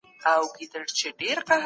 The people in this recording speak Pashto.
ښوونځي زدهکوونکي د خپل هویت درک ته هڅوي.